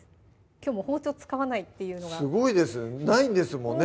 きょう包丁使わないっていうのがすごいですよねないんですもんね